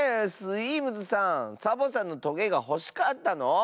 スイームズさんサボさんのトゲがほしかったの？